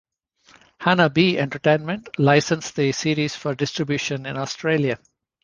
Hanabee Entertainment licensed the series for distribution in Australia.